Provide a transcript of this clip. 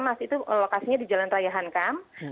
mas itu lokasinya di jalan raya hankam